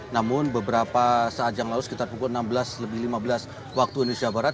namun beberapa saat yang lalu sekitar pukul enam belas lebih lima belas waktu indonesia barat